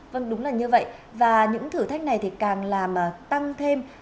vâng đúng là như vậy và những thử thách này thì càng làm tăng thêm